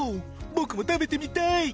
僕も食べてみたい！